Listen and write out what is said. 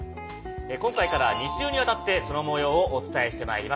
今回から２週にわたってその模様をお伝えしてまいります。